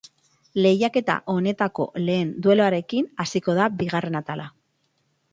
Lehiaketa honetako lehen dueluarekin hasiko da bigarren atala.